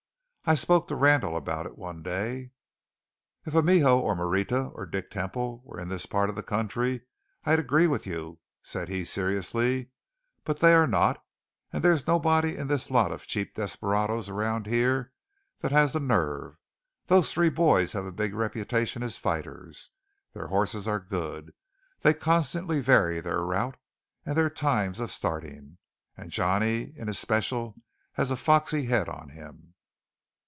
I spoke to Randall about it one day. "If Amijo or Murietta or Dick Temple were in this part of the country, I'd agree with you," said he seriously, "but they are not, and there's nobody in this lot of cheap desperadoes around here that has the nerve. Those three boys have a big reputation as fighters; their horses are good; they constantly vary their route and their times of starting; and Johnny in especial has a foxy head on him."